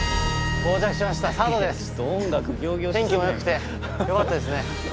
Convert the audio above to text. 天気もよくてよかったですね。